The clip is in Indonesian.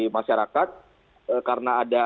masyarakat karena ada